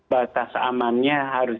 batas amannya harus